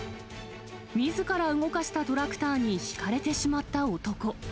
みずから動かしたトラクターにひかれてしまった男。